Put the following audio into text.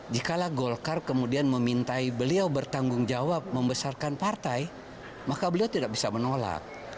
jikalah golkar kemudian memintai beliau bertanggung jawab membesarkan partai maka beliau tidak bisa menolak